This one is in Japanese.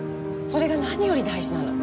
それが何より大事なの。